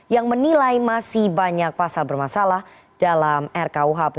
yang menilai masih banyak pasal bermasalah dalam rkuhp